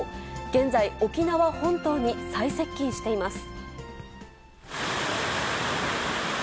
現在、沖縄本島に最接近しています。